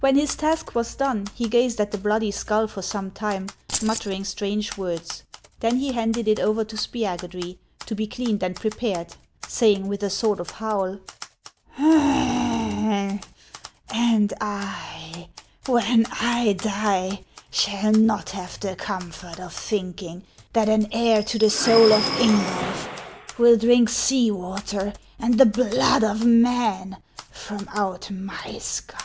When his task was done, he gazed at the bloody skull for some time, muttering strange words ; then he handed it over to Spiagudry, to be cleaned and prepared, saying with a sort of howl, — "And I, when I die, shall not have the comfort of thinking that an heir to the soul of Ingulf will drink sea water and the blood of men from out my skull."